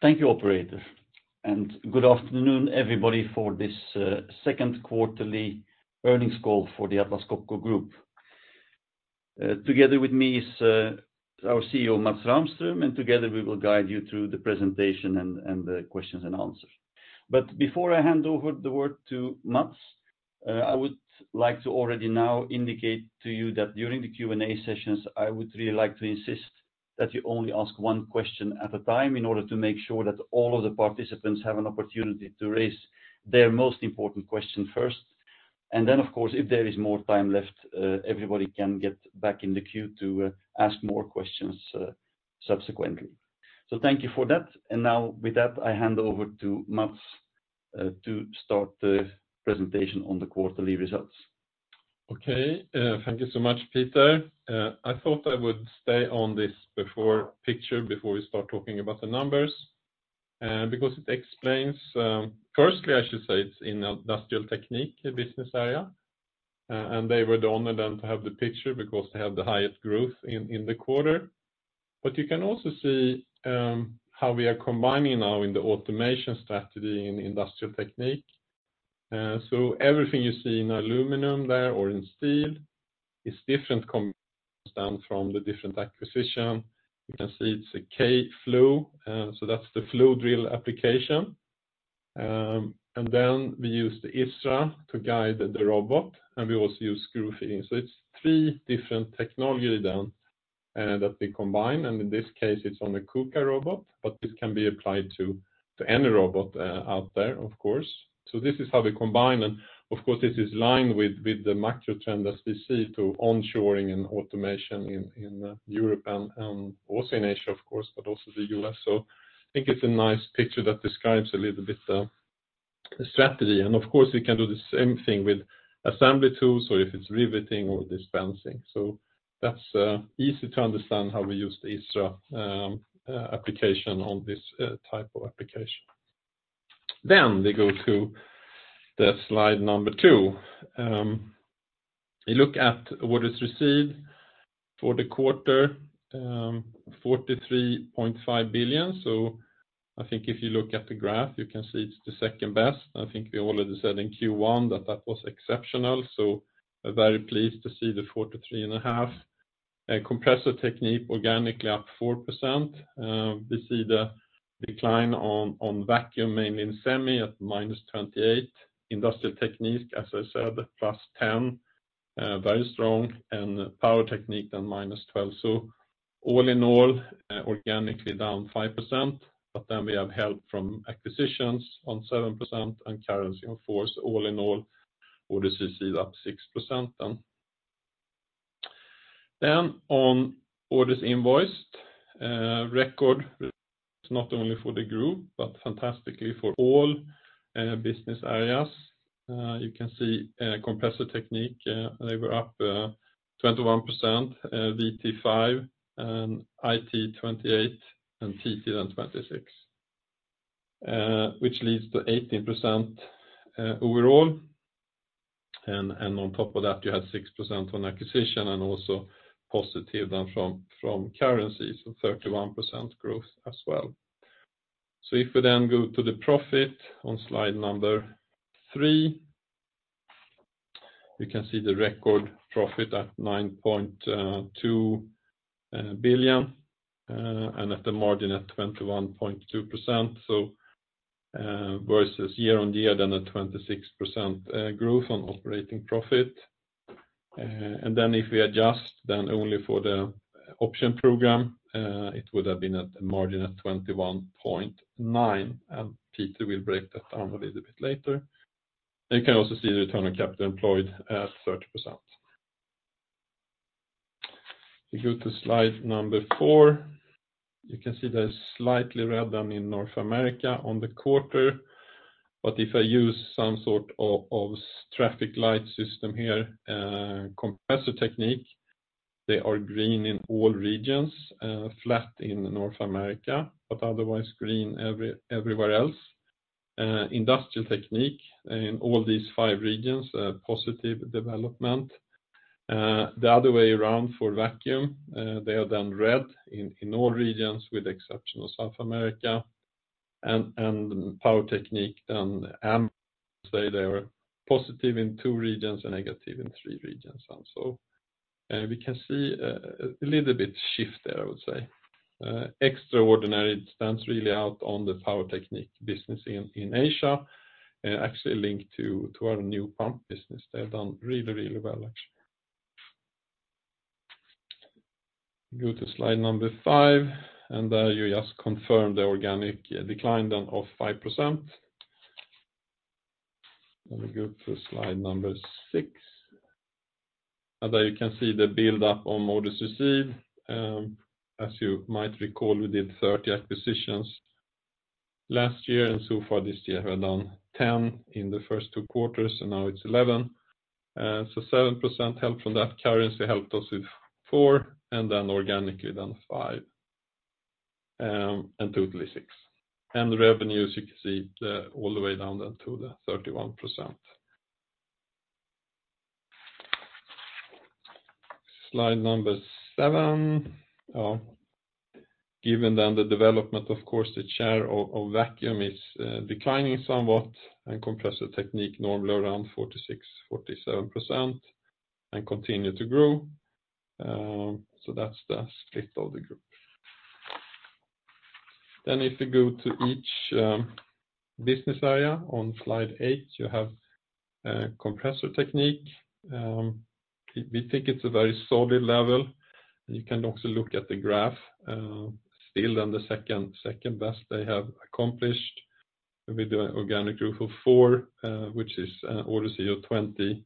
Thank you, operator, and good afternoon, everybody, for this, second quarterly earnings call for the Atlas Copco Group. Together with me is, our CEO, Mats Rahmström, and together we will guide you through the presentation and the questions and answers. Before I hand over the word to Mats, I would like to already now indicate to you that during the Q&A sessions, I would really like to insist that you only ask one question at a time in order to make sure that all of the participants have an opportunity to raise their most important question first. Then, of course, if there is more time left, everybody can get back in the queue to ask more questions subsequently. Thank you for that. Now with that, I hand over to Mats to start the presentation on the quarterly results. Okay. Thank you so much, Peter. I thought I would stay on this before picture before we start talking about the numbers because it explains, firstly, I should say, it's in Industrial Technique, a business area, and they were the honored then to have the picture because they have the highest growth in the quarter. You can also see how we are combining now in the automation strategy in Industrial Technique. Everything you see in aluminum there or in steel is different components down from the different acquisition. You can see it's a K-Flow, that's the flow drill application. We use the ISRA to guide the robot, and we also use screw feeding. It's three different technology then that we combine, and in this case, it's on a KUKA robot, but this can be applied to any robot out there, of course. This is how we combine, and of course, this is lined with the macro trend that we see to onshoring and automation in Europe and also in Asia, of course, but also the U.S. I think it's a nice picture that describes a little bit the strategy. Of course, we can do the same thing with assembly tools, or if it's riveting or dispensing. That's easy to understand how we use the ISRA application on this type of application. We go to the slide number two. You look at what is received for the quarter, 43.5 billion. I think if you look at the graph, you can see it's the second best. I think we already said in Q1 that that was exceptional, very pleased to see the 43.5%. Compressor Technique, organically up 4%. We see the decline on vacuum, mainly in SEMI at -28%. Industrial Technique, as I said, +10%, very strong. Power Technique -12%. All in all, organically down 5%, we have help from acquisitions on 7% and currency on 4%. All in all, orders received up 6%. On orders invoiced, record, not only for the group, fantastically for all business areas. You can see Compressor Technique, they were up 21%, VT 5%, IT 28%, PT 26%. Which leads to 18% overall, and on top of that, you have 6% on acquisition and also positive then from currency, so 31% growth as well. If we then go to the profit on slide number three, we can see the record profit at 9.2 billion, and at the margin at 21.2%. Versus year-on-year, then a 26% growth on operating profit. And then if we adjust, then only for the option program, it would have been at a margin of 21.9%, and Peter will break that down a little bit later. You can also see the return on capital employed at 30%. We go to slide number four. You can see there's slightly red than in North America on the quarter, but if I use some sort of traffic light system here, Compressor Technique, they are green in all regions, flat in North America, but otherwise green everywhere else. Industrial Technique, in all these five regions, a positive development. The other way around for vacuum, they are then red in all regions, with exception of South America. Power Technique, then, say they are positive in two regions and negative in three regions also. We can see a little bit shift there, I would say. Extraordinary, it stands really out on the Power Technique business in Asia, actually linked to our new pump business. They've done really, really well, actually. Go to slide number five, there you just confirm the organic decline of 5%. Let me go to slide number six. There you can see the build up on orders received. As you might recall, we did 30 acquisitions last year, and so far this year, we have done 10 in the first two quarters, and now it's 11. 7% help from that. Currency helped us with 4%, and then organically, then 5%, and totally 6%. The revenues, you can see, all the way down to the 31%. Slide number seven. Given the development, of course, the share of Vacuum is declining somewhat, and Compressor Technique normally around 46%-47% and continue to grow. That's the split of the group. If we go to each business area on slide eight, you have Compressor Technique. We think it's a very solid level, and you can also look at the graph, still on the second best they have accomplished with the organic growth of four, which is an order 20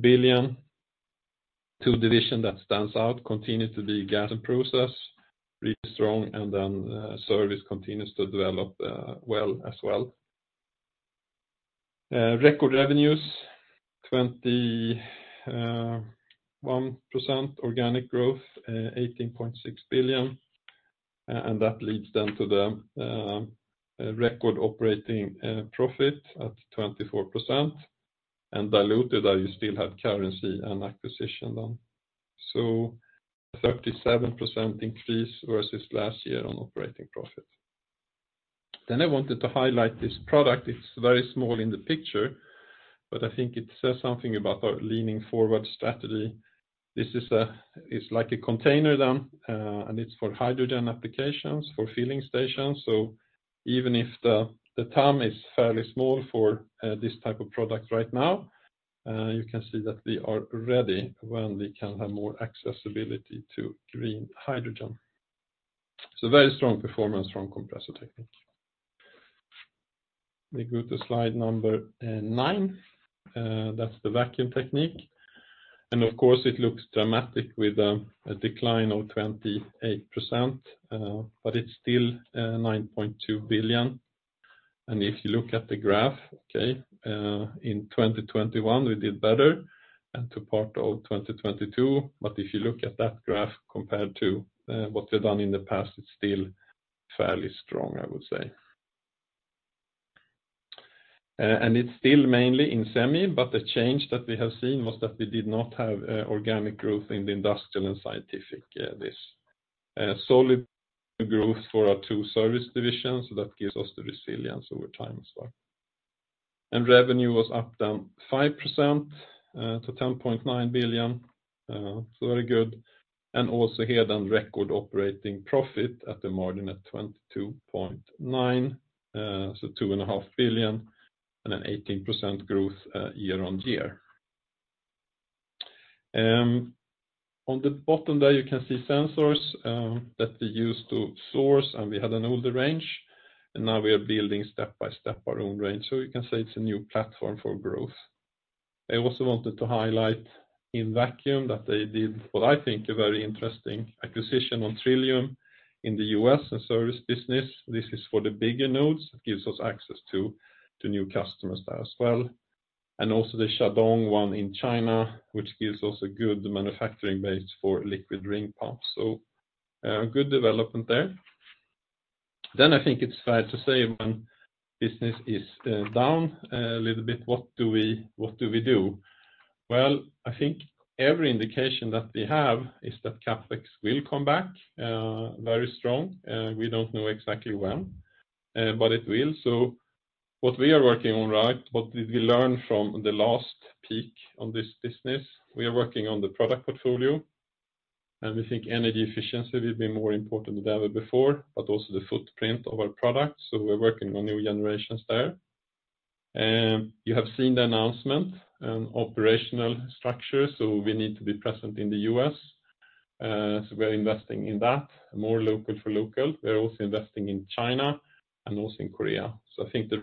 billion. Two division that stands out continues to be Gas and Process, really strong, and service continues to develop well as well. Record revenues, 21% organic growth, 18.6 billion. And that leads then to the record operating profit at 24%, and diluted, you still have currency and acquisition then. 37% increase versus last year on operating profit. I wanted to highlight this product. It's very small in the picture, but I think it says something about our leaning forward strategy. This is like a container then, and it's for hydrogen applications, for filling stations. Even if the TAM is fairly small for this type of product right now, you can see that we are ready when we can have more accessibility to green hydrogen. Very strong performance from Compressor Technique. We go to slide number nine. That's the Vacuum Technique, and of course, it looks dramatic with a decline of 28%, but it's still 9.2 billion. If you look at the graph, in 2021, we did better, and to part of 2022, but if you look at that graph compared to what we've done in the past, it's still fairly strong, I would say. It's still mainly in SEMI, but the change that we have seen was that we did not have organic growth in the industrial and scientific, this. Solid growth for our two service divisions, that gives us the resilience over time as well. Revenue was up, down 5%, to 10.9 billion, very good, and also here, record operating profit at the margin at 22.9%, SEK t2.5 billion, and an 18% growth year-on-year. On the bottom there, you can see sensors that we use to source, and we had an older range, and now we are building step by step our own range. You can say it's a new platform for growth. I also wanted to highlight in vacuum that they did, what I think, a very interesting acquisition on Trillium in the U.S., a service business. This is for the bigger nodes. It gives us access to new customers there as well, and also the Shandong Jinggong in China, which gives us a good manufacturing base for liquid ring pumps. Good development there. I think it's fair to say when business is down a little bit, what do we do? Well, I think every indication that we have is that CapEx will come back very strong, we don't know exactly when, but it will. What we are working on, right, what did we learn from the last peak on this business? We are working on the product portfolio, and we think energy efficiency will be more important than ever before, but also the footprint of our products, so we're working on new generations there. You have seen the announcement and operational structure, so we need to be present in the U.S., so we're investing in that, more local for local. We're also investing in China and also in Korea. I think the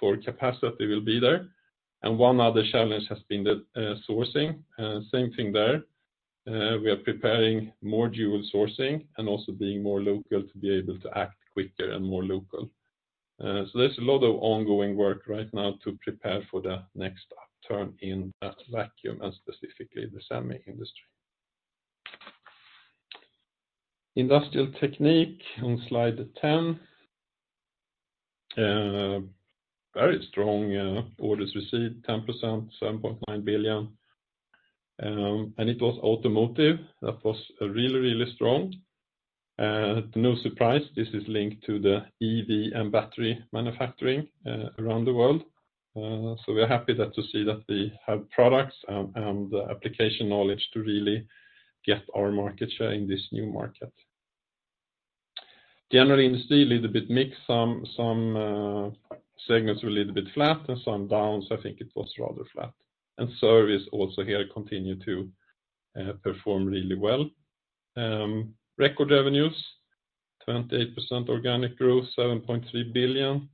for capacity will be there. One other challenge has been the sourcing, and same thing there. We are preparing more dual sourcing and also being more local to be able to act quicker and more local. So there's a lot of ongoing work right now to prepare for the next turn in that vacuum, and specifically the SEMI industry. Industrial Technique on slide 10. Very strong orders received, 10%, 7.9 billion, and it was automotive that was really, really strong. No surprise, this is linked to the EV and battery manufacturing around the world. We are happy that to see that we have products and application knowledge to really get our market share in this new market. General industry, little bit mixed. Some segments were a little bit flat and some down, so I think it was rather flat. Service also here continued to perform really well. Record revenues, 28% organic growth, 7.3 billion.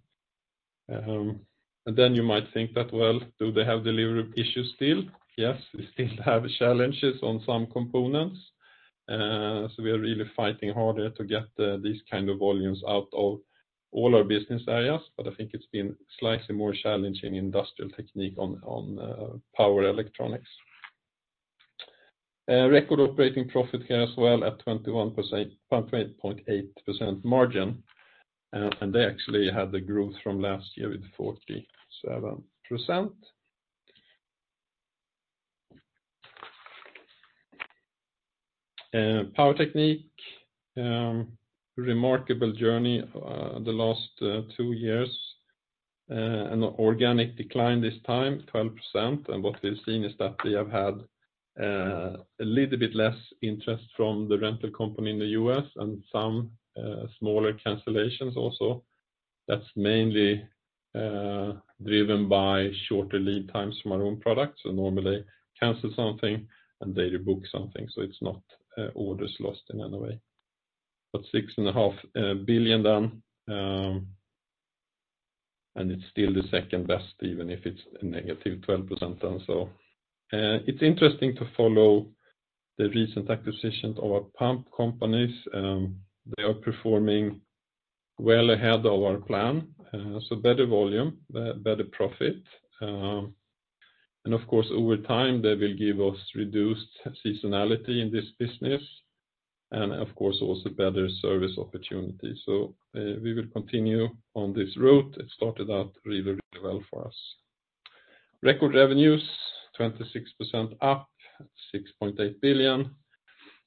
you might think that, well, do they have delivery issues still? Yes, we still have challenges on some components, so we are really fighting harder to get these kind of volumes out of all our business areas, but I think it's been slightly more challenging Industrial Technique on power electronics. record operating profit here as well at 21%, 0.8% margin. they actually had the growth from last year with 47%. Power Technique, remarkable journey, the last two years, and organic decline this time, 12%. what we've seen is that we have had a little bit less interest from the rental company in the U.S. and some smaller cancellations also. That's mainly driven by shorter lead times from our own products, so normally cancel something and they rebook something, so it's not orders lost in any way. 6.5 billion then, and it's still the second best, even if it's a -12% then. It's interesting to follow the recent acquisitions of our pump companies, they are performing well ahead of our plan. Better volume, better profit. Of course, over time, they will give us reduced seasonality in this business, and of course, also better service opportunity. We will continue on this route. It started out really, really well for us. Record revenues, 26% up, 6.8 billion,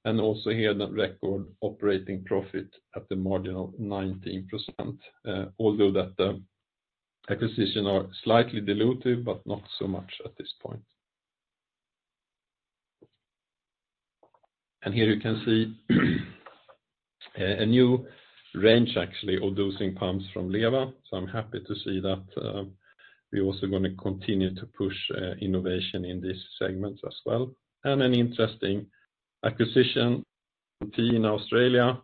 also here, the record operating profit at the margin of 19%, although that the acquisition are slightly dilutive, but not so much at this point. Here you can see, actually, a new range of dosing pumps from LEWA. I'm happy to see that we're also gonna continue to push innovation in this segment as well. An interesting acquisition in Australia,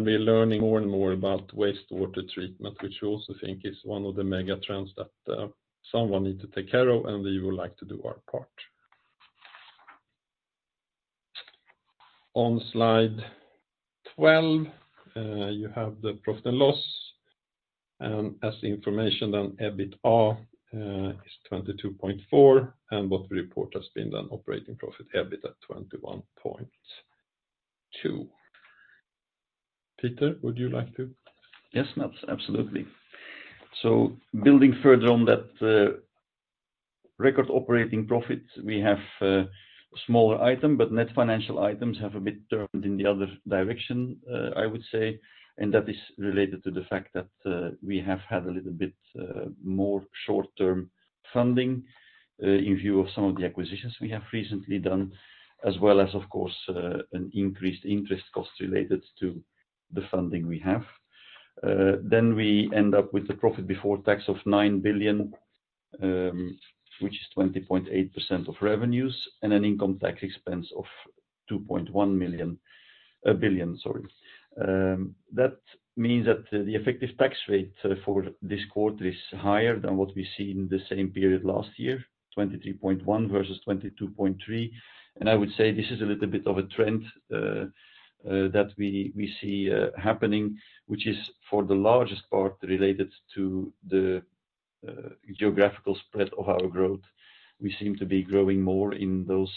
we're learning more and more about wastewater treatment, which we also think is one of the mega trends that someone need to take care of, we would like to do our part. On slide 12, you have the profit and loss, as information on EBITA is 22.4%, what report has been done, operating profit, EBIT at 21.2%. Peter, would you like to? Yes, Mats, absolutely. Building further on that, record operating profit, we have a smaller item, but net financial items have a bit turned in the other direction, I would say, and that is related to the fact that we have had a little bit more short-term funding in view of some of the acquisitions we have recently done, as well as, of course, an increased interest cost related to the funding we have. We end up with a profit before tax of 9 billion, which is 20.8% of revenues, and an income tax expense of 2.1 billion, sorry. That means that the effective tax rate for this quarter is higher than what we see in the same period last year, 23.1% versus 22.3%. I would say this is a little bit of a trend that we see happening, which is for the largest part related to the geographical spread of our growth. We seem to be growing more in those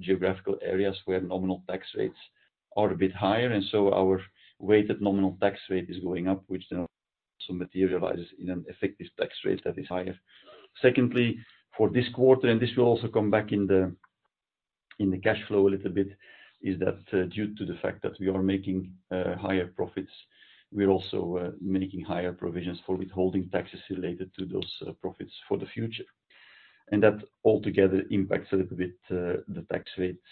geographical areas where nominal tax rates are a bit higher, so our weighted nominal tax rate is going up, which also materializes in an effective tax rate that is higher. Secondly, for this quarter, this will also come back in the cash flow a little bit, is that due to the fact that we are making higher profits, we are also making higher provisions for withholding taxes related to those profits for the future. That altogether impacts a little bit the tax rate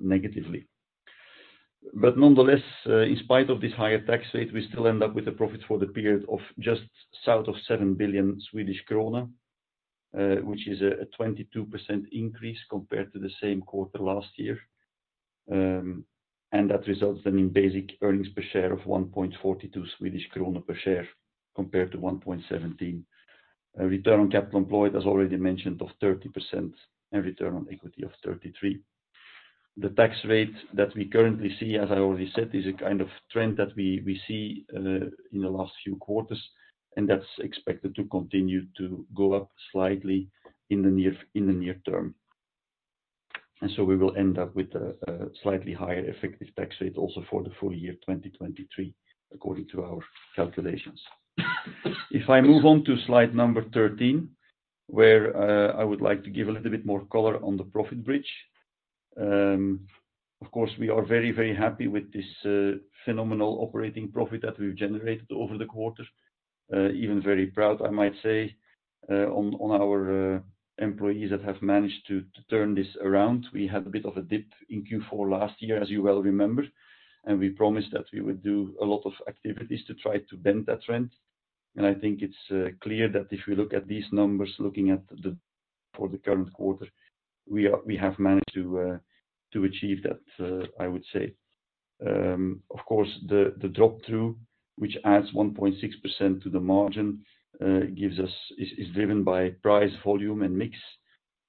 negatively. Nonetheless, in spite of this higher tax rate, we still end up with a profit for the period of just south of 7 billion Swedish krona, which is a 22% increase compared to the same quarter last year. That results then in basic earnings per share of 1.42 Swedish krona per share, compared to 1.17. A return on capital employed, as already mentioned, of 30% and return on equity of 33%. The tax rate that we currently see, as I already said, is a kind of trend that we see in the last few quarters, and that's expected to continue to go up slightly in the near term. So we will end up with a slightly higher effective tax rate also for the full year, 2023, according to our calculations. If I move on to slide number 13, where I would like to give a little bit more color on the profit bridge. Of course, we are very, very happy with this phenomenal operating profit that we've generated over the quarter. Even very proud, I might say, on our employees that have managed to turn this around. We had a bit of a dip in Q4 last year, as you well remember. We promised that we would do a lot of activities to try to bend that trend. I think it's clear that if you look at these numbers, looking at the for the current quarter, we have managed to achieve that, I would say. Of course, the drop-through, which adds 1.6% to the margin, is driven by price, volume, and mix,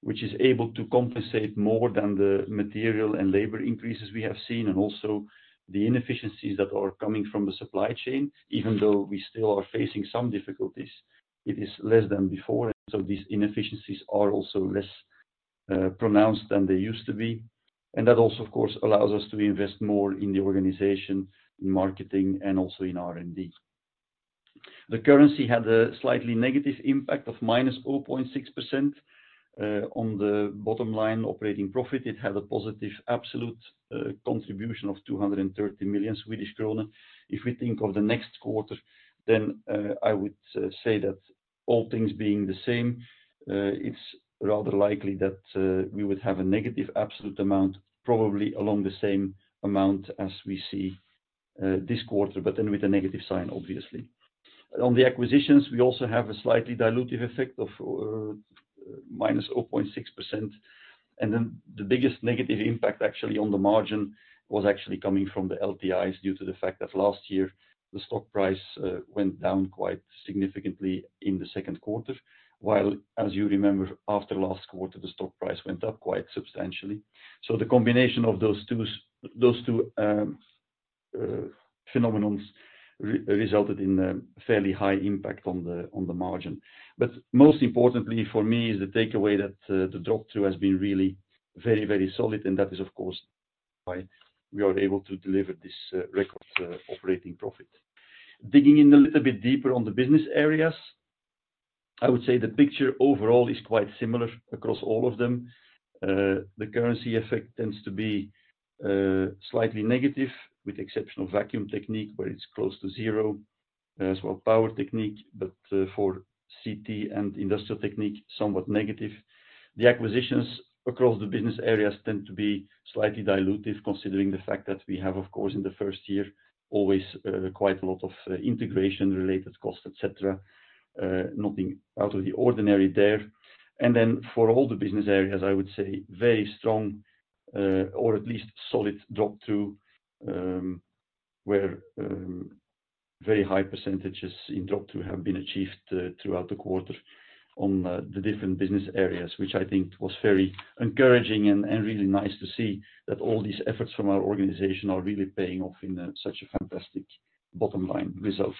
which is able to compensate more than the material and labor increases we have seen, and also the inefficiencies that are coming from the supply chain. Even though we still are facing some difficulties, it is less than before. So these inefficiencies are also less pronounced than they used to be. That also, of course, allows us to invest more in the organization, in marketing, and also in R&D. The currency had a slightly negative impact of -0.6% on the bottom line operating profit. It had a positive absolute contribution of 230 million Swedish kronor. If we think of the next quarter, I would say that all things being the same, it's rather likely that we would have a negative absolute amount, probably along the same amount as we see this quarter, with a negative sign, obviously. On the acquisitions, we also have a slightly dilutive effect of -0.6%. The biggest negative impact actually on the margin was actually coming from the LTIs, due to the fact that last year, the stock price went down quite significantly in the second quarter. While, as you remember, after last quarter, the stock price went up quite substantially. The combination of those two, those two phenomenons resulted in a fairly high impact on the margin. Most importantly for me, is the takeaway that the drop-through has been really very, very solid, and that is, of course, why we are able to deliver this record operating profit. Digging in a little bit deeper on the business areas, I would say the picture overall is quite similar across all of them. The currency effect tends to be slightly negative, with exceptional Vacuum Technique, where it's close to zero, as well Power Technique, but for CT and Industrial Technique, somewhat negative. The acquisitions across the business areas tend to be slightly dilutive, considering the fact that we have, of course, in the first year, always quite a lot of integration-related costs, et cetera. Nothing out of the ordinary there. For all the business areas, I would say very strong, or at least solid drop-through, where very high percentage in drop-through have been achieved throughout the quarter on the different business areas, which I think was very encouraging and really nice to see that all these efforts from our organization are really paying off in such a fantastic bottom line result.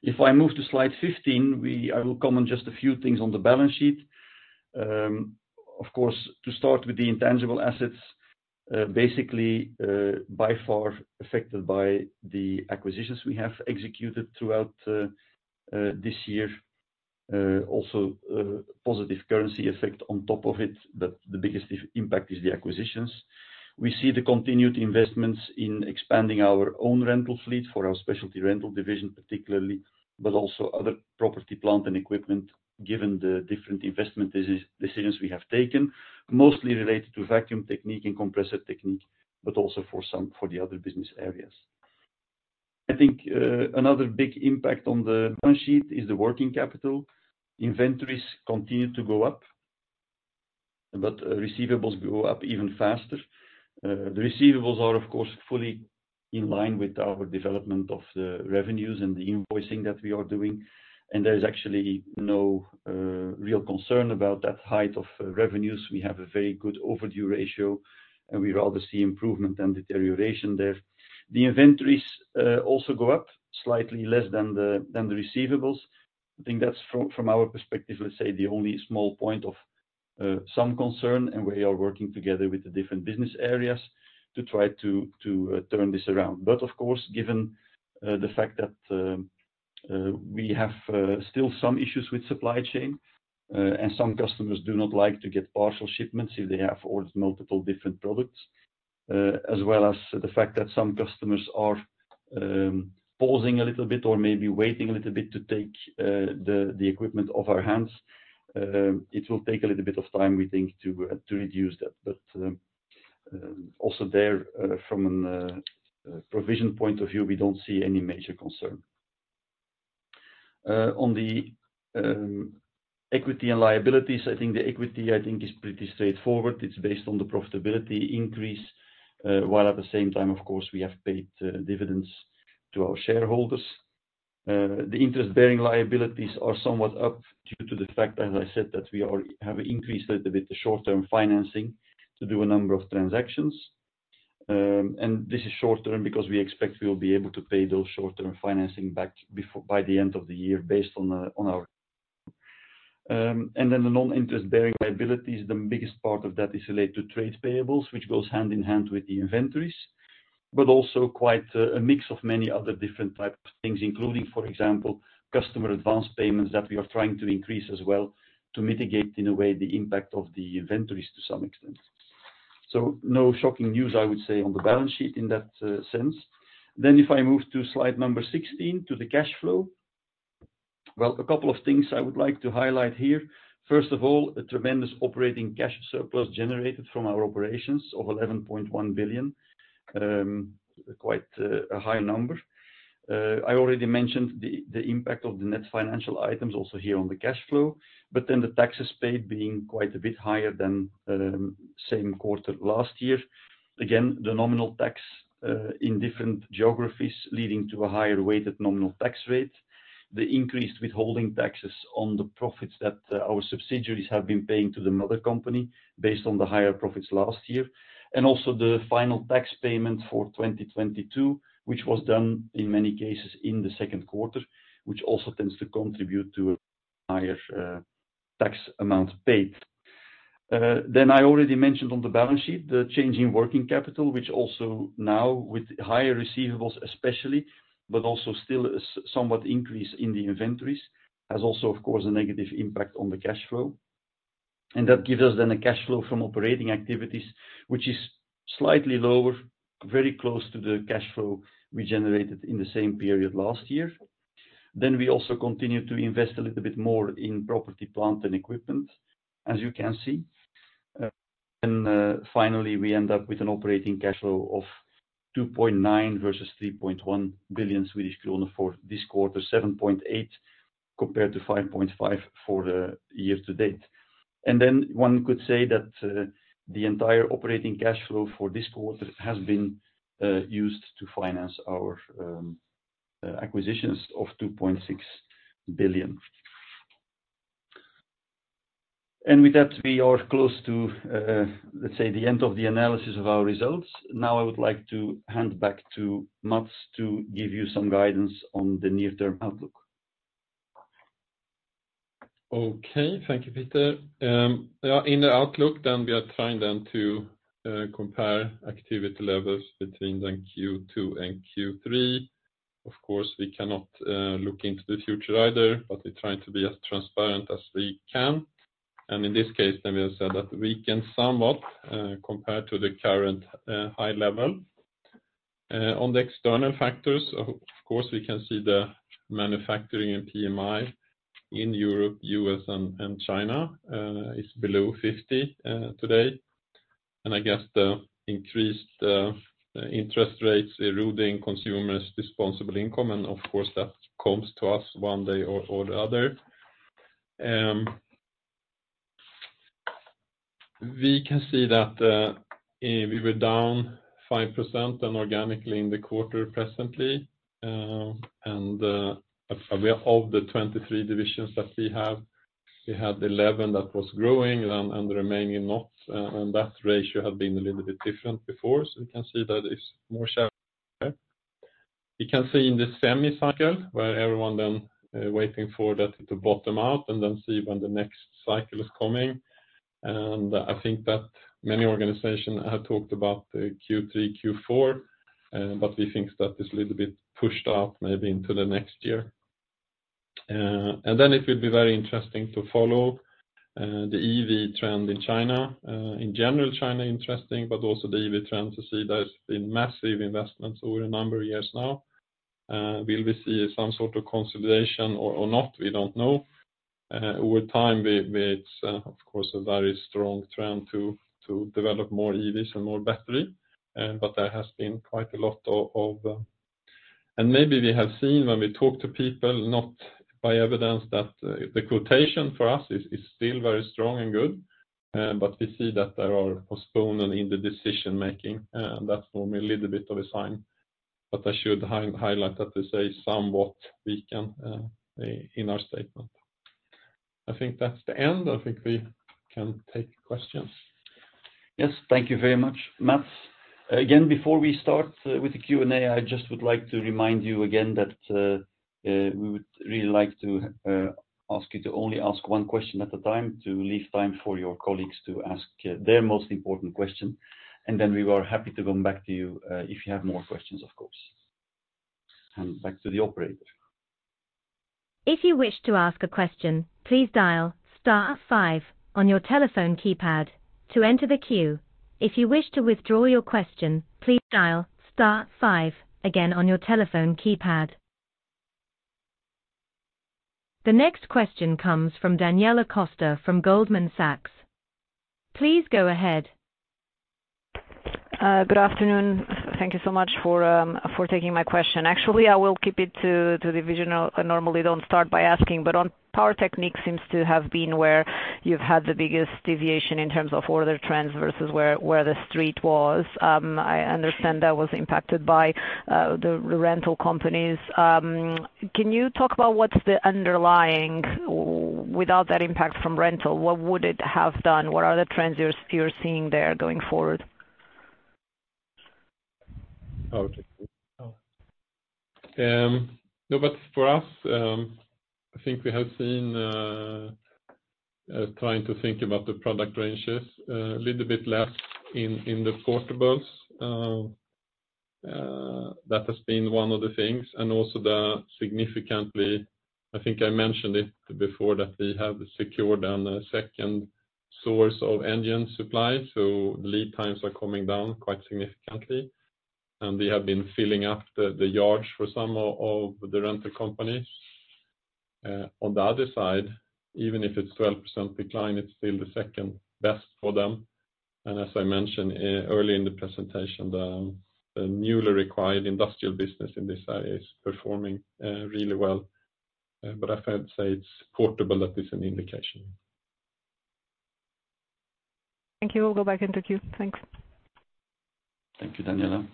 If I move to slide 15, I will comment just a few things on the balance sheet. Of course, to start with the intangible assets, basically, by far affected by the acquisitions we have executed throughout this year. Also, positive currency effect on top of it, but the biggest impact is the acquisitions. We see the continued investments in expanding our own rental fleet for our specialty rental division, particularly, but also other property, plant, and equipment, given the different investment decisions we have taken, mostly related to Vacuum Technique and Compressor Technique, but also for the other business areas. I think, another big impact on the one sheet is the working capital. Inventories continue to go up, but receivables go up even faster. The receivables are, of course, fully in line with our development of the revenues and the invoicing that we are doing. There is actually no real concern about that height of revenues. We have a very good overdue ratio. We rather see improvement than deterioration there. The inventories also go up slightly less than the receivables. I think that's from our perspective, let's say, the only small point of some concern. We are working together with the different business areas to try to turn this around. Of course, given the fact that we have still some issues with supply chain, and some customers do not like to get partial shipments if they have ordered multiple different products. As well as the fact that some customers are pausing a little bit, or maybe waiting a little bit to take the equipment off our hands, it will take a little bit of time, we think, to reduce that. Also there, from an provision point of view, we don't see any major concern. On the equity and liabilities, I think the equity, I think, is pretty straightforward. It's based on the profitability increase, while at the same time, of course, we have paid dividends to our shareholders. The interest-bearing liabilities are somewhat up due to the fact, as I said, that we have increased a little bit, the short-term financing to do a number of transactions. This is short term because we expect we will be able to pay those short-term financing back before, by the end of the year, based on on our. The non-interest-bearing liabilities, the biggest part of that is related to trades payables, which goes hand in hand with the inventories, but also quite a mix of many other different types of things, including, for example, customer advance payments that we are trying to increase as well, to mitigate, in a way, the impact of the inventories to some extent. No shocking news, I would say, on the balance sheet in that sense. If I move to slide number 16, to the cash flow. A couple of things I would like to highlight here. First of all, a tremendous operating cash surplus generated from our operations of 11.1 billion, quite a high number. I already mentioned the impact of the net financial items also here on the cash flow, the taxes paid being quite a bit higher than same quarter last year. Again, the nominal tax in different geographies, leading to a higher weighted nominal tax rate, the increased withholding taxes on the profits that our subsidiaries have been paying to the mother company, based on the higher profits last year, also the final tax payment for 2022, which was done in many cases in the second quarter, which also tends to contribute to a higher tax amount paid. I already mentioned on the balance sheet, the change in working capital, which also now with higher receivables especially, but also still a somewhat increase in the inventories, has also, of course, a negative impact on the cash flow. That gives us a cash flow from operating activities, which is slightly lower, very close to the cash flow we generated in the same period last year. We also continue to invest a little bit more in property, plant, and equipment, as you can see. Finally, we end up with an operating cash flow of 2.9 billion versus 3.1 billion Swedish kronor for this quarter, 7.8 billion compared to 5.5 billion for the year to date. One could say that the entire operating cash flow for this quarter has been used to finance our acquisitions of SEK 2.6 billion. With that, we are close to, let's say, the end of the analysis of our results. Now, I would like to hand back to Mats to give you some guidance on the near-term outlook. Okay. Thank you, Peter. Yeah, in the outlook, we are trying then to compare activity levels between the Q2 and Q3. Of course, we cannot look into the future either, but we're trying to be as transparent as we can. In this case, we'll say that we can somewhat compare to the current high level. On the external factors, of course, we can see the manufacturing and PMI in Europe, U.S., and China, is below 50 today. I guess the increased interest rates eroding consumers' disposable income, and of course, that comes to us one day or the other. We can see that we were down 5% organically in the quarter presently, and of the 23 divisions that we have, we had 11 that was growing, and the remaining not, and that ratio had been a little bit different before. We can see that it's more shareholder. You can see in the SEMI cycle, where everyone then waiting for that to bottom out and then see when the next cycle is coming. I think that many organizations have talked about the Q3, Q4, but we think that is a little bit pushed up maybe into the next year. Then it will be very interesting to follow the EV trend in China. In general, China interesting, but also the EV trend to see there's been massive investments over a number of years now. Will we see some sort of consolidation or not? We don't know. Over time, it's, of course, a very strong trend to develop more EVs and more battery, but there has been quite a lot of... Maybe we have seen when we talk to people, not by evidence, that the quotation for us is still very strong and good, but we see that there are postponement in the decision-making, that's for me a little bit of a sign. I should highlight that to say somewhat we can in our statement. I think that's the end. I think we can take questions. Yes, thank you very much, Mats. Again, before we start with the Q&A, I just would like to remind you again that we would really like to ask you to only ask one question at a time, to leave time for your colleagues to ask their most important question, and then we are happy to come back to you if you have more questions, of course. Hand back to the operator. If you wish to ask a question, please dial star five on your telephone keypad to enter the queue. If you wish to withdraw your question, please dial star five again on your telephone keypad. The next question comes from Daniela Costa from Goldman Sachs. Please go ahead. Good afternoon. Thank you so much for taking my question. Actually, I will keep it to the division. I normally don't start by asking. On Power Technique seems to have been where you've had the biggest deviation in terms of order trends versus where the street was. I understand that was impacted by the rental companies. Can you talk about what's the underlying without that impact from rental, what would it have done? What are the trends you're seeing there going forward? Okay. For us, I think we have seen, trying to think about the product ranges, a little bit less in the portables. That has been one of the things, and also the significantly, I think I mentioned it before, that we have secured down a second source of engine supply, so lead times are coming down quite significantly. We have been filling up the yards for some of the rental companies. On the other side, even if it's 12% decline, it's still the second best for them. As I mentioned, early in the presentation, the newly acquired Industrial Technique business in this area is performing, really well. I would say it's portable, that is an indication. Thank you. We'll go back into queue. Thanks. Thank you, Daniela.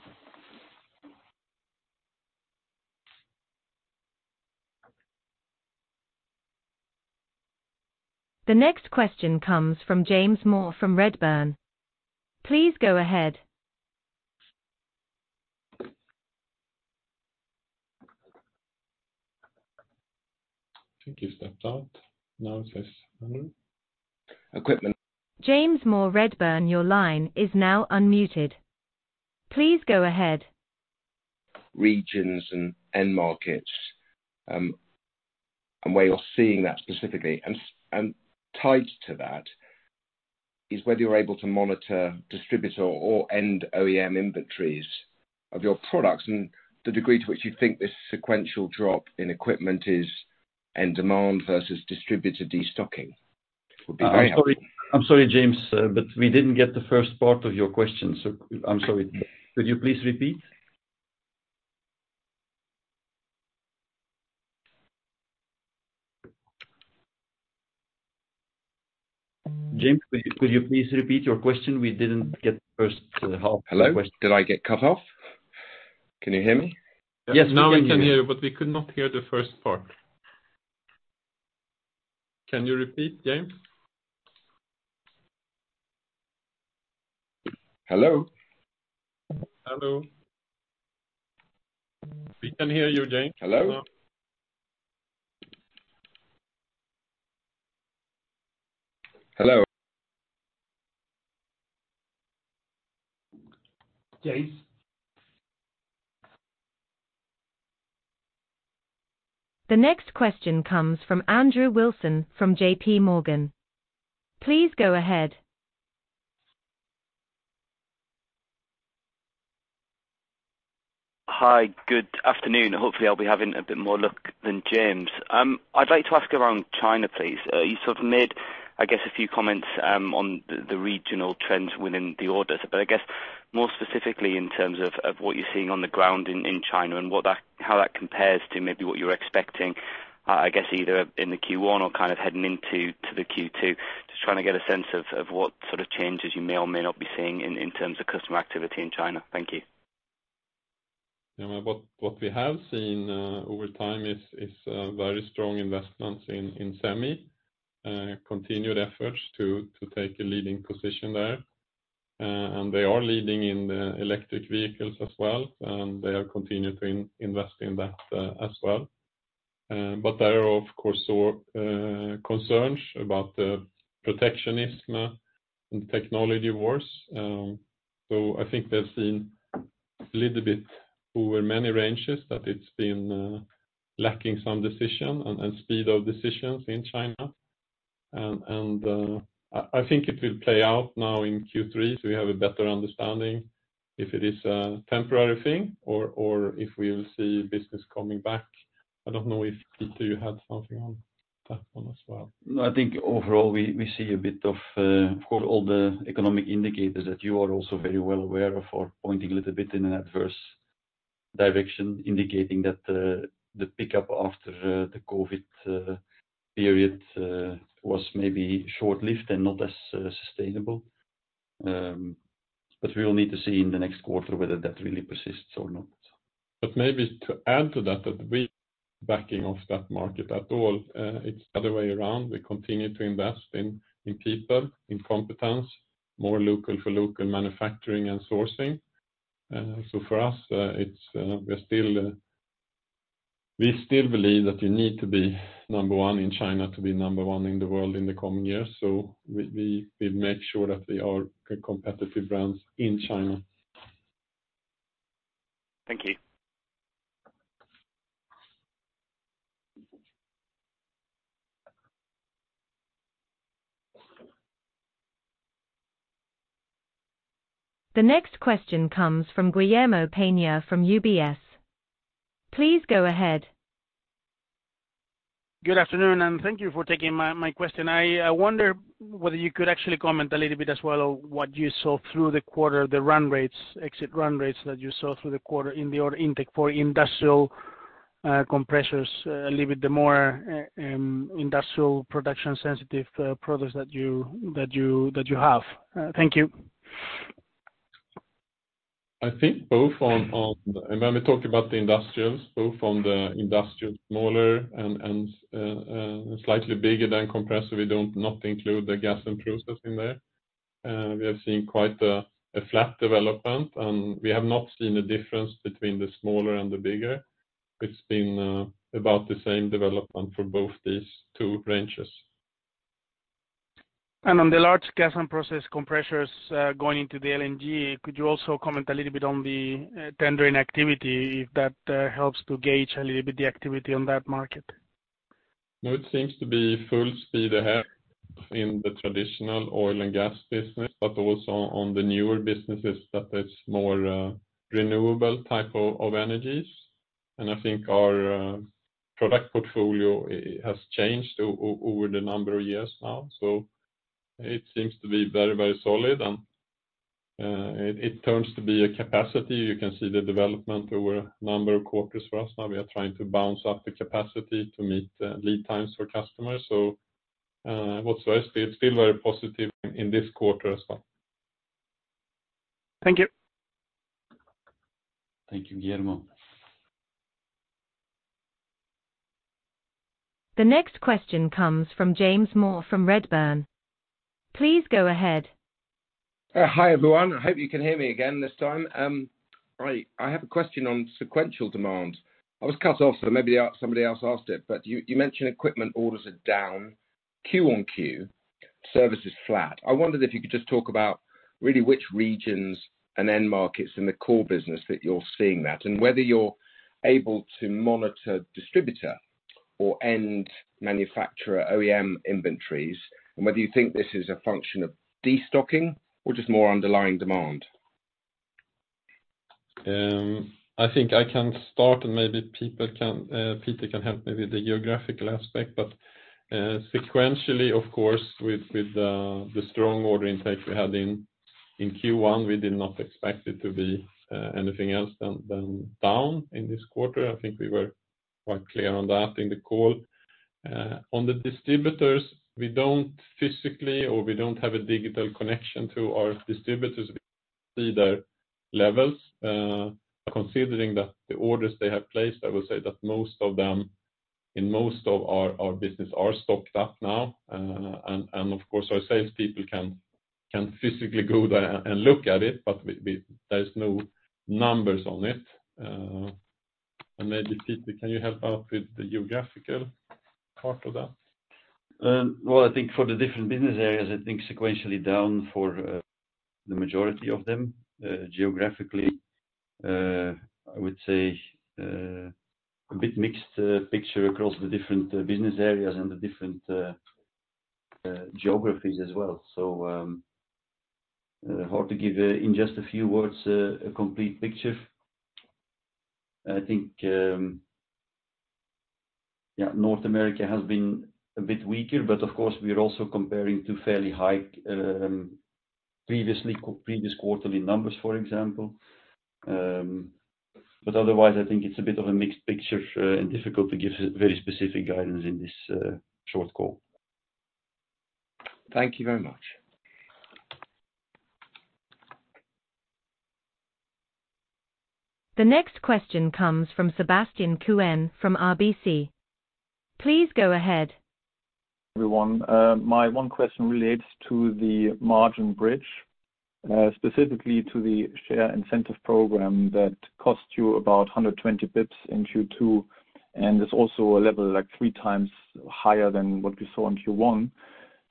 The next question comes from James Moore, from Redburn. Please go ahead. I think you stepped out. Now it says equipment. James Moore Redburn, your line is now unmuted. Please go ahead. Regions and end markets, and where you're seeing that specifically. Tied to that, is whether you're able to monitor distributor or end OEM inventories of your products, and the degree to which you think this sequential drop in equipment is, end demand versus distributor destocking, would be very helpful. I'm sorry, James, we didn't get the first part of your question. I'm sorry. Could you please repeat? James, could you please repeat your question? We didn't get the first half of the question. Hello. Did I get cut off? Can you hear me? Yes, now we can hear you, but we could not hear the first part. Can you repeat, James? Hello? Hello. We can hear you, James. Hello? Hello. James. The next question comes from Andrew Wilson, from JPMorgan. Please go ahead. Hi, good afternoon. Hopefully, I'll be having a bit more luck than James. I'd like to ask around China, please. You sort of made, I guess, a few comments on the regional trends within the orders, but I guess more specifically in terms of what you're seeing on the ground in China and how that compares to maybe what you were expecting, I guess, either in the Q1 or kind of heading into the Q2. Just trying to get a sense of what sort of changes you may or may not be seeing in terms of customer activity in China. Thank you. Yeah. What we have seen over time is very strong investments in SEMI, continued efforts to take a leading position there. They are leading in the electric vehicles as well, and they are continuing to invest in that as well. There are, of course, concerns about the protectionism and technology wars. I think they've seen a little bit over many ranges, but it's been lacking some decision and speed of decisions in China. I think it will play out now in Q3, so we have a better understanding if it is a temporary thing or if we will see business coming back. I don't know if Peter, you had something on that one as well. No, I think overall, we see a bit of, Of course, all the economic indicators that you are also very well aware of, are pointing a little bit in an adverse direction, indicating that the pickup after the COVID period was maybe short-lived and not as sustainable. We'll need to see in the next quarter whether that really persists or not. Maybe to add to that we backing off that market at all, it's the other way around. We continue to invest in people, in competence, more local for local manufacturing and sourcing. For us, it's, we're still, we still believe that we need to be number one in China to be number one in the world in the coming years. We make sure that we are a competitive brand in China. Thank you. The next question comes from Guillermo Peigneux Lojo from UBS. Please go ahead. Good afternoon. Thank you for taking my question. I wonder whether you could actually comment a little bit as well on what you saw through the quarter, the run rates, exit run rates that you saw through the quarter in the order intake for industrial compressors, a little bit the more industrial production sensitive products that you have? Thank you. I think both on, and when we talk about the industrials, both on the industrial, smaller and slightly bigger than compressor, we don't not include the Gas and Process in there. We have seen quite a flat development, and we have not seen a difference between the smaller and the bigger. It's been about the same development for both these two ranges. On the large Gas and Process compressors, going into the LNG, could you also comment a little bit on the tendering activity, if that helps to gauge a little bit the activity on that market? It seems to be full speed ahead in the traditional oil and gas business, but also on the newer businesses, that it's more, renewable type of energies. I think our, product portfolio has changed over the number of years now, so it seems to be very solid, and, it turns to be a capacity. You can see the development over a number of quarters for us. Now, we are trying to bounce up the capacity to meet, lead times for customers. Still very positive in this quarter as well. Thank you. Thank you, Guillermo. The next question comes from James Moore, from Redburn. Please go ahead. Hi, everyone. I hope you can hear me again this time. I have a question on sequential demand. I was cut off, so maybe somebody else asked it, but you mentioned equipment orders are down, Q on Q, service is flat. I wondered if you could just talk about really which regions and end markets in the core business that you're seeing that, and whether you're able to monitor distributor or end manufacturer OEM inventories, and whether you think this is a function of destocking or just more underlying demand? I think I can start, and maybe people can, Peter can help maybe the geographical aspect, but sequentially, of course, with the strong order intake we had in Q1, we did not expect it to be anything else than down in this quarter. I think we were quite clear on that in the call. On the distributors, we don't physically or we don't have a digital connection to our distributors to see their levels. Considering that the orders they have placed, I would say that most of them, in most of our business are stocked up now. Of course, our sales people can physically go there and look at it, but there's no numbers on it. Maybe, Peter, can you help out with the geographical part of that? Well, I think for the different business areas, I think sequentially down for the majority of them. Geographically, I would say a bit mixed picture across the different business areas and the different geographies as well. Hard to give a, in just a few words, a complete picture. I think North America has been a bit weaker, but of course, we are also comparing to fairly high previously, previous quarterly numbers, for example. Otherwise, I think it's a bit of a mixed picture and difficult to give very specific guidance in this short call. Thank you very much. The next question comes from Sebastian Kuenne from RBC. Please go ahead. Everyone, my one question relates to the margin bridge, specifically to the share incentive program that cost you about 120 pips in Q2. It's also a level, like, 3x higher than what we saw in Q1.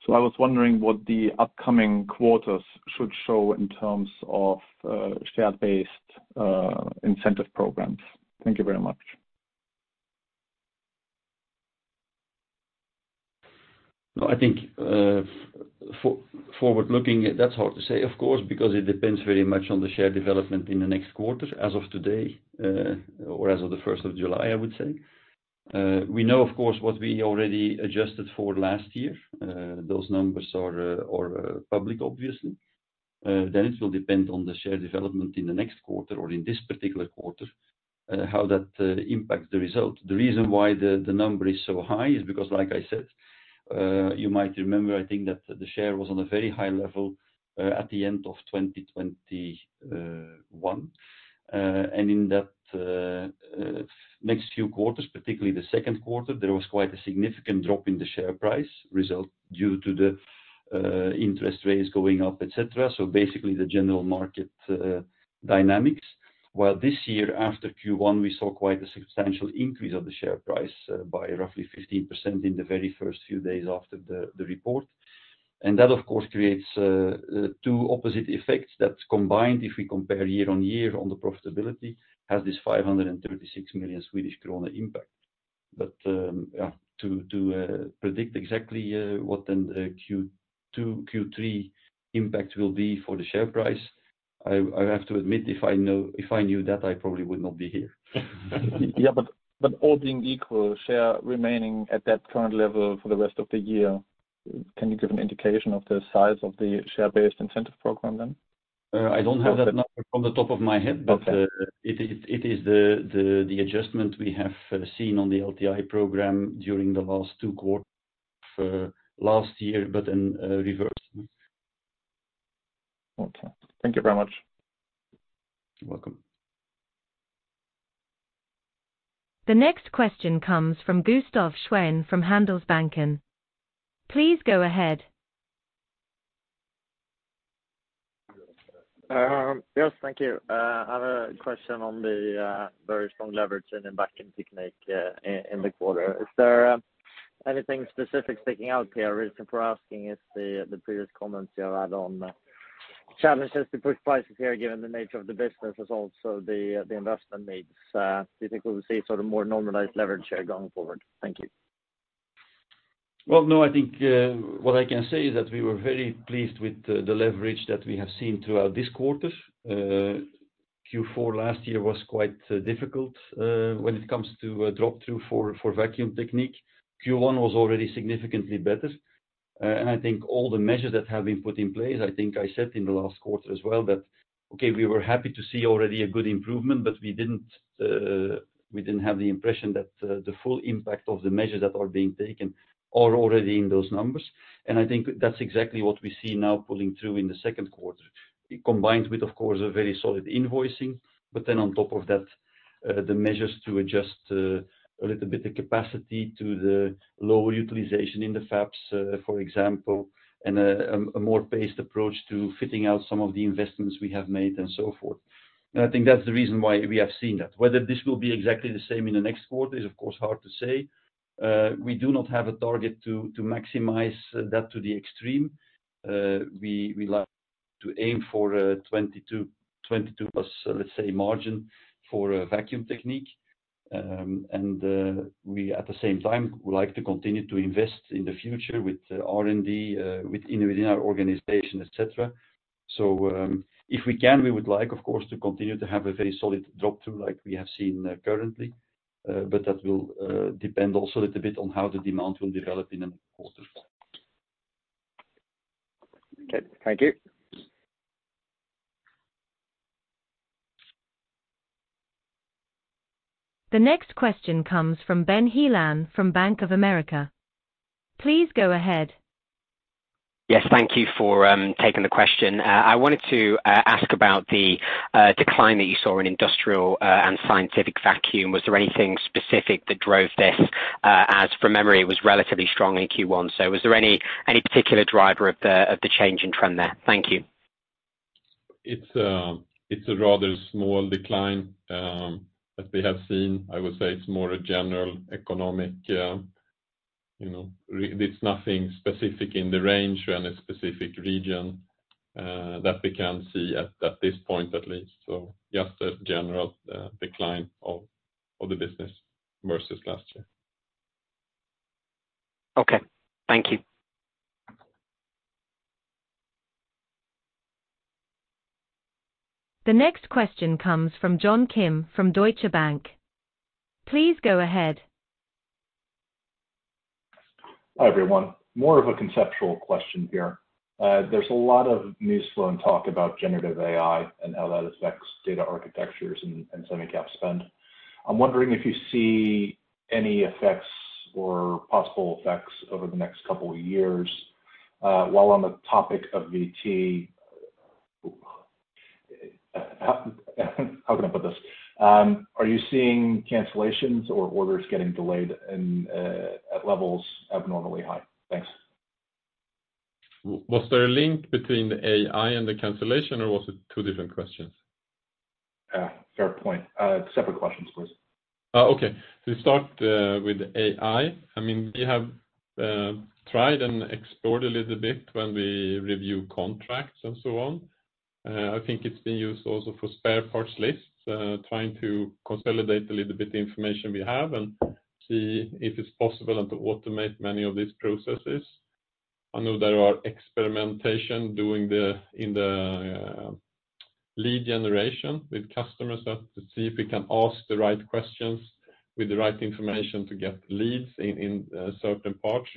I was wondering what the upcoming quarters should show in terms of share-based incentive programs. Thank you very much. No, I think, forward looking, that's hard to say, of course, because it depends very much on the share development in the next quarter. As of today, or as of the 1st of July, I would say. We know, of course, what we already adjusted for last year. Those numbers are public, obviously. It will depend on the share development in the next quarter or in this particular quarter, how that impacts the result. The reason why the number is so high is because, like I said, you might remember, I think, that the share was on a very high level at the end of 2021. In that next few quarters, particularly the second quarter, there was quite a significant drop in the share price result due to the interest rates going up, et cetera. Basically, the general market dynamics. While this year, after Q1, we saw quite a substantial increase of the share price by roughly 15% in the very first few days after the report. That, of course, creates two opposite effects that combined, if we compare year-over-year on the profitability, has this 536 million Swedish krona impact. To predict exactly what then the Q2, Q3 impact will be for the share price, I have to admit, if I knew that, I probably would not be here. Yeah, all being equal, share remaining at that current level for the rest of the year, can you give an indication of the size of the share-based incentive program then? I don't have that number off the top of my head. Okay. It is the adjustment we have seen on the LTI program during the last two quarters, last year, but in reverse. Okay. Thank you very much. You're welcome. The next question comes from Gustaf Schwerin from Handelsbanken. Please go ahead. Yes, thank you. I have a question on the very strong leverage in the Vacuum Technique in the quarter. Is there anything specific sticking out here? Reason for asking is the previous comments you had on challenges to push prices here, given the nature of the business, as also the investment needs. Do you think we'll see sort of more normalized leverage here going forward? Thank you. Well, no, I think what I can say is that we were very pleased with the leverage that we have seen throughout this quarter. Q4 last year was quite difficult when it comes to drop-through for Vacuum Technique. Q1 was already significantly better. I think all the measures that have been put in place, I think I said in the last quarter as well, that, okay, we were happy to see already a good improvement, but we didn't, we didn't have the impression that the full impact of the measures that are being taken are already in those numbers. I think that's exactly what we see now pulling through in the second quarter. It combines with, of course, a very solid invoicing, on top of that the measures to adjust a little bit of capacity to the lower utilization in the fabs, for example, a more paced approach to fitting out some of the investments we have made and so forth. I think that's the reason why we have seen that. Whether this will be exactly the same in the next quarter is, of course, hard to say. We do not have a target to maximize that to the extreme. We like to aim for 20%-22%+ margin for Vacuum Technique. We, at the same time, would like to continue to invest in the future with R&D within our organization, et cetera. If we can, we would like, of course, to continue to have a very solid drop-through like we have seen, currently. That will depend also a little bit on how the demand will develop in the quarters. Okay, thank you. The next question comes from Benjamin Heelan from Bank of America. Please go ahead. Yes, thank you for taking the question. I wanted to ask about the decline that you saw in industrial and scientific vacuum. Was there anything specific that drove this? As from memory, it was relatively strong in Q1. Was there any particular driver of the change in trend there? Thank you. It's a rather small decline that we have seen. I would say it's more a general economic, you know, there's nothing specific in the range and a specific region that we can see at this point, at least. Just a general decline of the business versus last year. Okay. Thank you. The next question comes from John Kim, from Deutsche Bank. Please go ahead. Hi, everyone. More of a conceptual question here. There's a lot of news flow and talk about generative AI and how that affects data architectures and SEMI cap spend. I'm wondering if you see any effects or possible effects over the next couple of years? While on the topic of VT, how can I put this? Are you seeing cancellations or orders getting delayed and, at levels abnormally high? Thanks. Was there a link between the AI and the cancellation, or was it two different questions? Fair point. Separate questions, please. Okay. To start with AI, I mean, we have tried and explored a little bit when we review contracts and so on. I think it's been used also for spare parts lists, trying to consolidate a little bit the information we have and see if it's possible and to automate many of these processes. I know there are experimentation doing in the lead generation with customers, to see if we can ask the right questions with the right information to get leads in certain parts.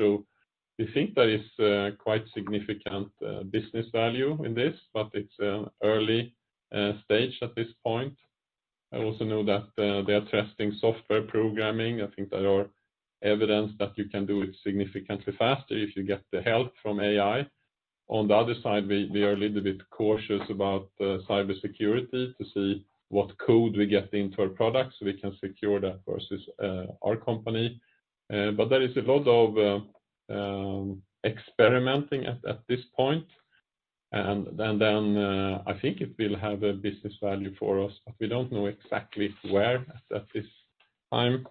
We think there is quite significant business value in this, but it's an early stage at this point. I also know that they are testing software programming. I think there are evidence that you can do it significantly faster if you get the help from AI. On the other side, we are a little bit cautious about cybersecurity to see what code we get into our products, so we can secure that versus our company. There is a lot of experimenting at this point, then I think it will have a business value for us, but we don't know exactly where at this time.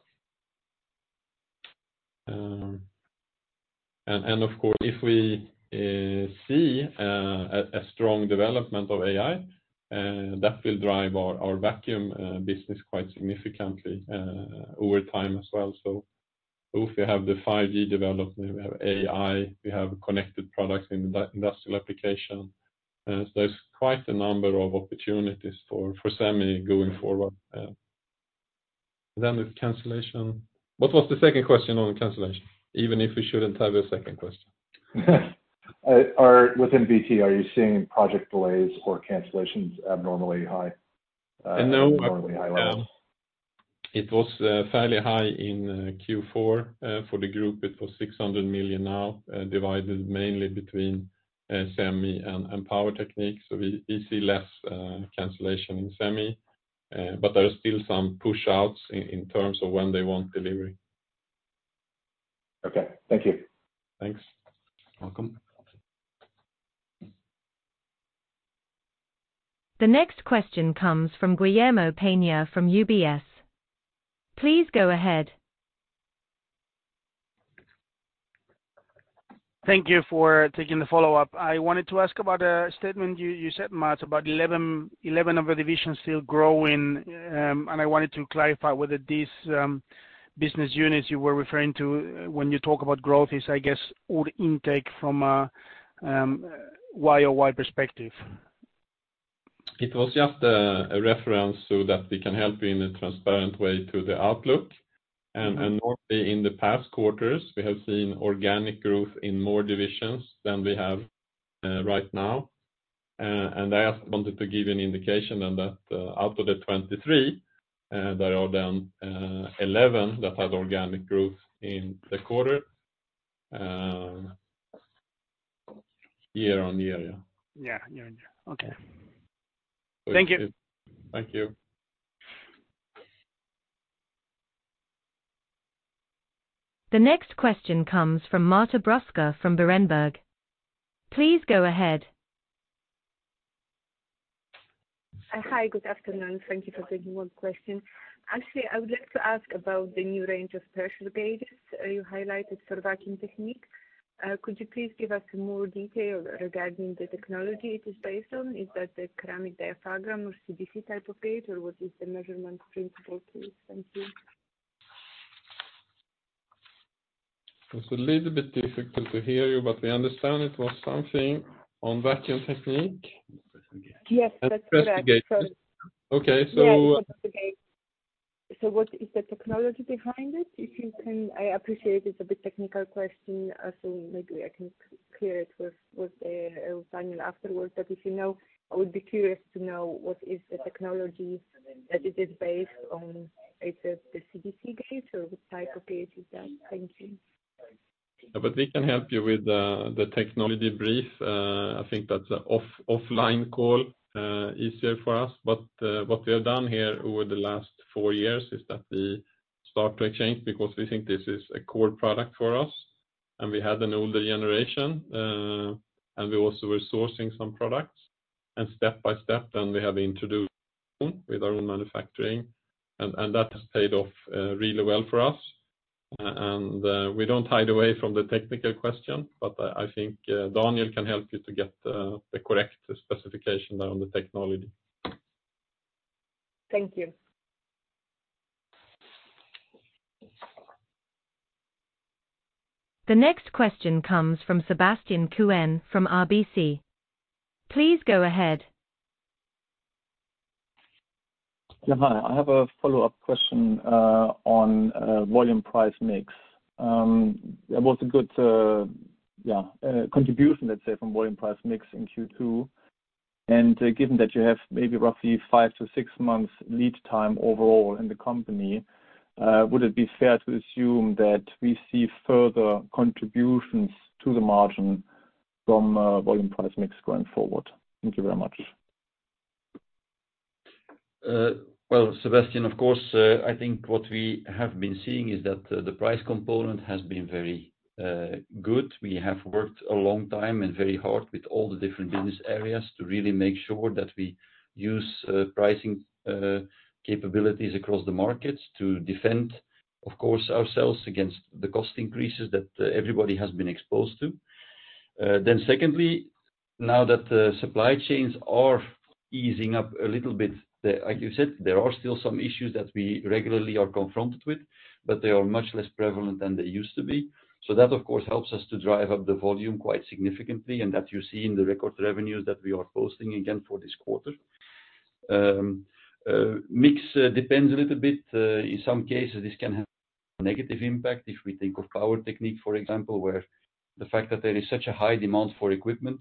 Of course, if we see a strong development of AI, that will drive our vacuum business quite significantly over time as well. If you have the 5G development, we have AI, we have connected products in the industrial application. There's quite a number of opportunities for SEMI going forward. What was the second question on the cancellation? Even if we shouldn't have a second question. Within VT, are you seeing project delays or cancellations abnormally high? No. abnormally high levels? It was fairly high in Q4. For the group, it was 600 million now, divided mainly between SEMI and Power Technique. We see less cancellation in SEMI, but there are still some push outs in terms of when they want delivery. Okay. Thank you. Thanks. Welcome. The next question comes from Guillermo Peigneux Lojo from UBS. Please go ahead. Thank you for taking the follow-up. I wanted to ask about a statement you said, Mats, about 11 of the divisions still growing, and I wanted to clarify whether these business units you were referring to when you talk about growth is, I guess, old intake from a YoY perspective. It was just, a reference so that we can help you in a transparent way to the outlook. Mm-hmm. Normally in the past quarters, we have seen organic growth in more divisions than we have, right now. I just wanted to give you an indication on that, out of the 23, there are then, 11 that had organic growth in the quarter. Year on year, yeah. Yeah, year on year. Okay. Thank you. Thank you. The next question comes from Marta Bruska from Berenberg. Please go ahead. Hi, good afternoon. Thank you for taking my question. Actually, I would like to ask about the new range of pressure gauges you highlighted for Vacuum Technique. Could you please give us more detail regarding the technology it is based on? Is that the ceramic diaphragm or CDC type of gauge, or what is the measurement principle, please? Thank you. It's a little bit difficult to hear you, but we understand it was something on Vacuum Technique. Yes, that's correct. Okay. What is the technology behind it? If you can... I appreciate it's a bit technical question, maybe I can clear it with Daniela afterwards. If you know, I would be curious to know what is the technology that it is based on. Is it the CDC gauge, or what type of gauge is that? Thank you. We can help you with the technology brief. I think that's an off-offline call, easier for us. What we have done here over the last four years is that we start to change because we think this is a core product for us. We had an older generation, and we also were sourcing some products, step by step, we have introduced with our own manufacturing, and that has paid off really well for us. We don't hide away from the technical question, I think Daniela can help you to get the correct specification on the technology. Thank you. The next question comes from Sebastian Kuenne from RBC. Please go ahead. Hi, I have a follow-up question on volume price mix. It was a good, yeah, contribution, let's say, from volume price mix in Q2. Given that you have maybe roughly 5-6 months lead time overall in the company, would it be fair to assume that we see further contributions to the margin from volume price mix going forward? Thank you very much. Well, Sebastian, of course, I think what we have been seeing is that the price component has been very good. We have worked a long time and very hard with all the different business areas to really make sure that we use pricing capabilities across the markets to defend, of course, ourselves against the cost increases that everybody has been exposed to. Secondly, now that the supply chains are easing up a little bit, like you said, there are still some issues that we regularly are confronted with, but they are much less prevalent than they used to be. That, of course, helps us to drive up the volume quite significantly, and that you see in the record revenues that we are posting again for this quarter. Mix depends a little bit. In some cases, this can have a negative impact. We think of Power Technique, for example, where the fact that there is such a high demand for equipment,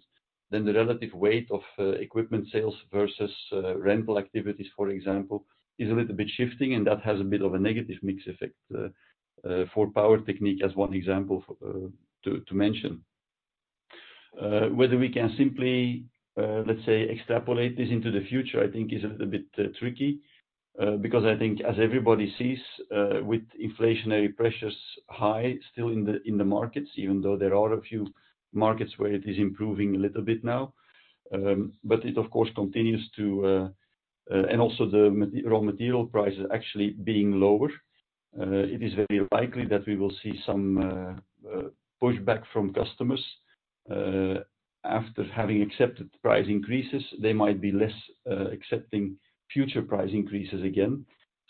then the relative weight of equipment sales versus rental activities, for example, is a little bit shifting, and that has a bit of a negative mix effect for Power Technique as one example to mention. Whether we can simply, let's say, extrapolate this into the future, I think is a little bit tricky, because I think as everybody sees, with inflationary pressures high still in the markets, even though there are a few markets where it is improving a little bit now. It of course continues to and also the raw material prices actually being lower, it is very likely that we will see some pushback from customers after having accepted price increases, they might be less accepting future price increases again.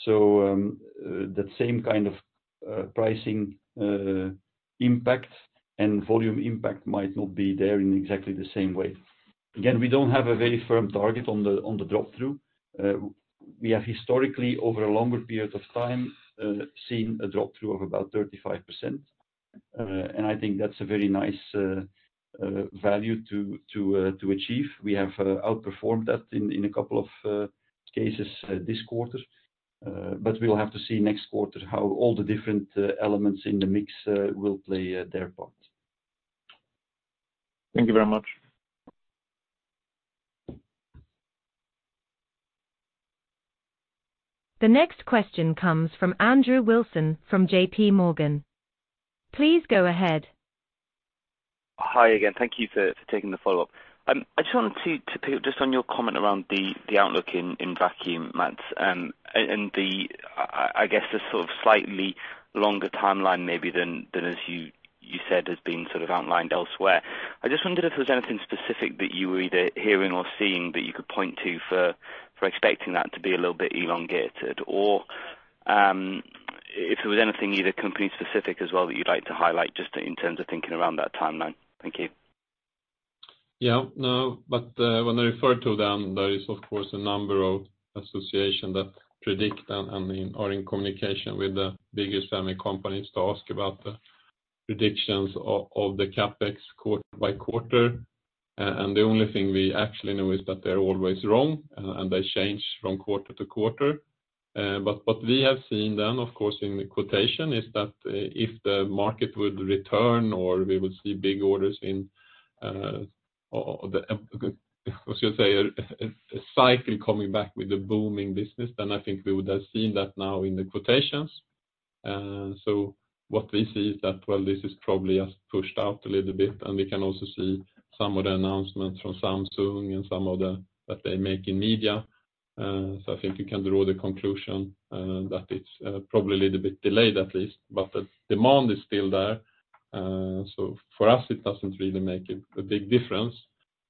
That same kind of pricing impact and volume impact might not be there in exactly the same way. Again, we don't have a very firm target on the drop-through. We have historically, over a longer period of time, seen a drop-through of about 35%, and I think that's a very nice value to achieve. We have outperformed that in a couple of cases this quarter. We'll have to see next quarter how all the different elements in the mix will play their part. Thank you very much. The next question comes from Andrew Wilson from JPMorgan. Please go ahead. Hi again. Thank you for taking the follow-up. I just wanted to pick up just on your comment around the outlook in vacuum Mats, and the, I guess, the sort of slightly longer timeline maybe than as you said, has been sort of outlined elsewhere. I just wondered if there was anything specific that you were either hearing or seeing that you could point to for expecting that to be a little bit elongated? Or if there was anything either company specific as well, that you'd like to highlight just in terms of thinking around that timeline. Thank you. Yeah. No. When I refer to them, there is of course, a number of association that predict and are in communication with the biggest family companies to ask about the predictions of the CapEx quarter by quarter. The only thing we actually know is that they're always wrong, and they change from quarter to quarter. We have seen then, of course, in the quotation, is that, if the market would return or we would see big orders in, or the, what you say, a cycle coming back with a booming business, then I think we would have seen that now in the quotations. What we see is that, well, this is probably just pushed out a little bit, and we can also see some of the announcements from Samsung that they make in media. So I think you can draw the conclusion that it's probably a little bit delayed at least, but the demand is still there. So for us, it doesn't really make a big difference,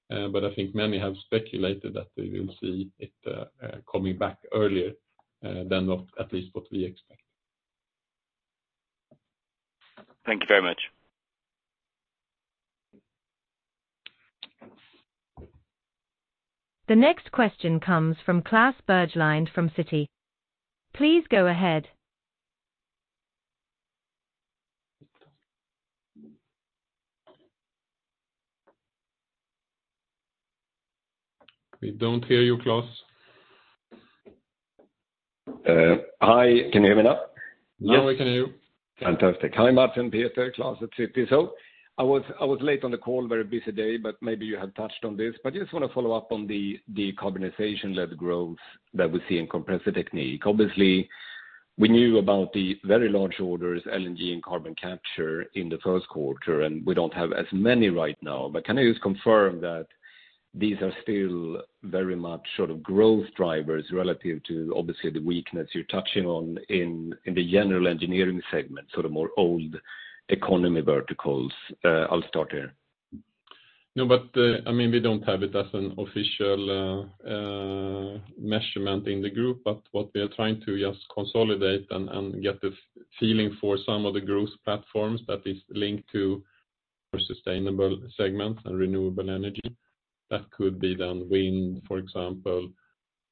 but I think many have speculated that we will see it coming back earlier than what, at least, what we expect. Thank you very much. The next question comes from Klas Bergelind from Citi. Please go ahead. We don't hear you, Klas. Hi, can you hear me now? Now we can hear you. Fantastic. Hi, Martin, Peter, Klas at Citi. I was late on the call, very busy day, maybe you have touched on this. I just want to follow up on the carbonization-led growth that we see in Compressor Technique. Obviously, we knew about the very large orders, LNG, and carbon capture in the first quarter, and we don't have as many right now. Can you just confirm that these are still very much sort of growth drivers relative to, obviously, the weakness you're touching on in the general engineering segment, sort of more old economy verticals? I'll start here. I mean, we don't have it as an official measurement in the group, but what we are trying to just consolidate and get a feeling for some of the growth platforms that is linked to more sustainable segments and renewable energy. Could be wind, for example,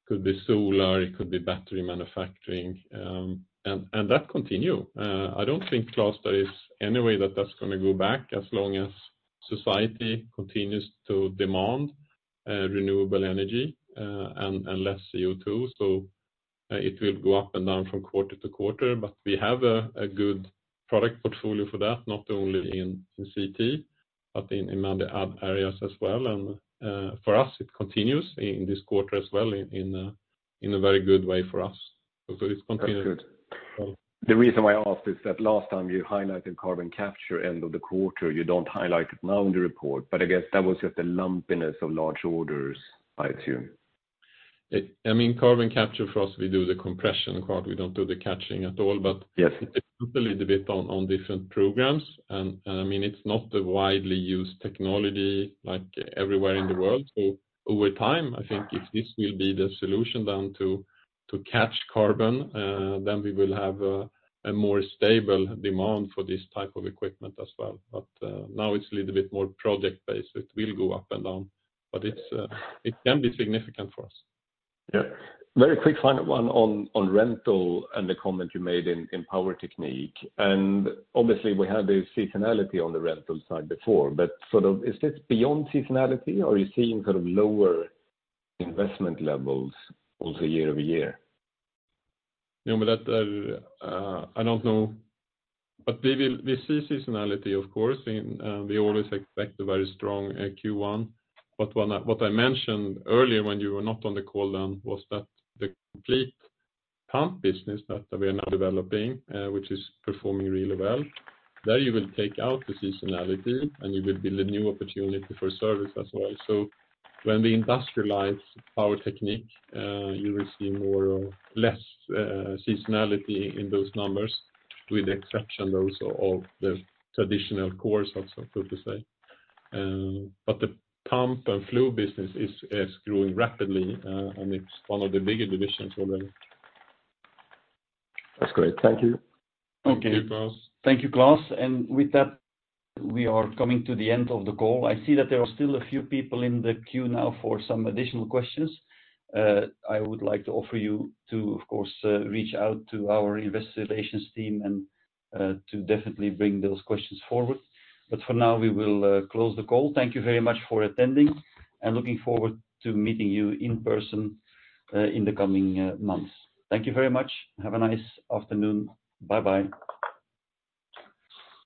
could be solar, it could be battery manufacturing, and that continue. I don't think, Klas, there is any way that that's gonna go back as long as society continues to demand renewable energy and less CO2. It will go up and down from quarter to quarter, but we have a good product portfolio for that, not only in CT, but in other ad areas as well. For us, it continues in this quarter as well in a very good way for us. It's continuing. That's good. The reason why I asked is that last time you highlighted carbon capture end of the quarter, you don't highlight it now in the report, but I guess that was just a lumpiness of large orders, I assume. It, I mean, carbon capture, for us, we do the compression part. We don't do the capturing at all. Yes. It's a little bit on different programs, and, I mean, it's not a widely used technology like everywhere in the world. Over time, I think if this will be the solution then to catch carbon, then we will have a more stable demand for this type of equipment as well. Now it's a little bit more project-based. It will go up and down, but it's, it can be significant for us. Yeah. Very quick final one on rental and the comment you made in Power Technique. Obviously, we had a seasonality on the rental side before, but sort of is this beyond seasonality, or are you seeing kind of lower investment levels also year-over-year? No, but that, I don't know, but we see seasonality, of course, in, we always expect a very strong Q1. What I, what I mentioned earlier when you were not on the call then, was that the complete pump business that we are now developing, which is performing really well, there you will take out the seasonality, and you will build a new opportunity for service as well. When we industrialize Power Technique, you will see more of less seasonality in those numbers, with the exception also of the traditional cores also, so to say. The pump and flow business is growing rapidly, and it's one of the bigger divisions already. That's great. Thank you. Okay. Thank you, Klas. Thank you, Klas. With that, we are coming to the end of the call. I see that there are still a few people in the queue now for some additional questions. I would like to offer you to, of course, reach out to our investor relations team and to definitely bring those questions forward. For now, we will close the call. Thank you very much for attending, and looking forward to meeting you in person, in the coming months. Thank you very much. Have a nice afternoon. Bye-bye.